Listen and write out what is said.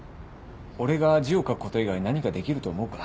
俺が字を書くこと以外に何かできると思うか？